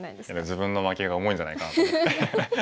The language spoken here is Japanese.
自分の負けが重いんじゃないかなと思って。